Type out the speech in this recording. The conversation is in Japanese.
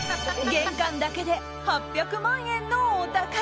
玄関だけで８００万円のお宝！